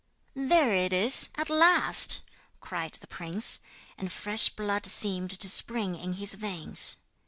'There it is, at last,' cried the prince; and fresh blood seemed to spring in his veins.